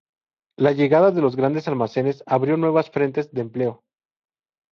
La llegada de los grandes almacenes abrió nuevas frentes de empleo.